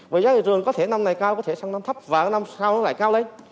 với giá thị trường có thể năm này cao có thể sang năm thấp và năm sau nó lại cao đấy